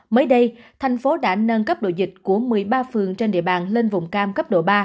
mới đây thành phố đã nâng cấp độ dịch của một mươi ba phường trên địa bàn lên vùng cam cấp độ ba